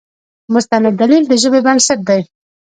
مستند دلیل د ژبې بنسټ دی.